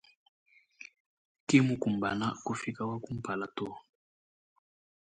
Kimukumbana kufika wakumpala to.